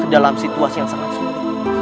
dalam situasi yang sangat sulit